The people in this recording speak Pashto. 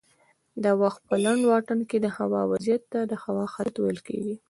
د وخت په لنډ واټن کې دهوا وضعیت ته د هوا حالت ویل کېږي